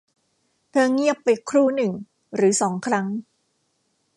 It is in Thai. เธอเงียบไปครู่หนึ่งหรือสองครั้ง